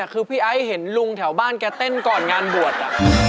คือพี่ไอ้เห็นลุงแถวบ้านแกเต้นก่อนงานบวช